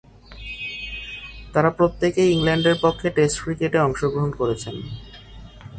তারা প্রত্যেকেই ইংল্যান্ডের পক্ষে টেস্ট ক্রিকেটে অংশগ্রহণ করেছেন।